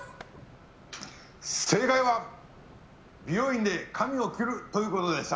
正解は美容院で髪を切るということでした。